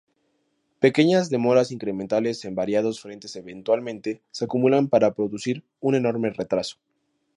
Pequeñas demoras incrementales en variados frentes eventualmente se acumulan para producir un enorme retraso.